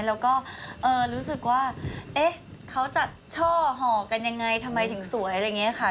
แล้วก็รู้สึกว่าเอ๊ะเขาจัดช่อห่อกันยังไงทำไมถึงสวยอะไรอย่างนี้ค่ะ